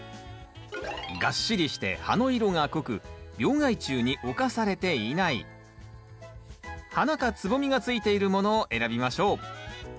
がっしりして葉の色が濃く病害虫に侵されていない花か蕾がついているものを選びましょう。